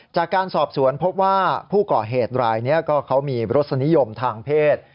จากการสอบสวนพบว่าผู้ก่อเหตุรายนี้ก็เขามีรสนิยมทางเพศ